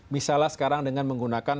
misalnya sekarang dengan menggunakan